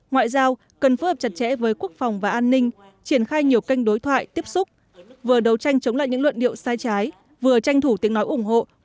ngoại giao cần phối hợp chặt chẽ với quốc phòng và an ninh triển khai nhiều kênh đối thoại tiếp xúc vừa đấu tranh chống lại những luận điệu sai trái vừa tranh thủ tiếng nói ủng hộ của các nước bạn bè